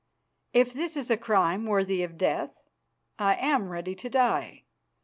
If this is a crime worthy of death, I am ready to die.